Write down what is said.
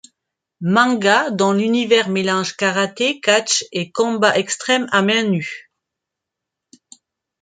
Manga dont l'univers mélange karaté, catch et combat extrême à mains nues.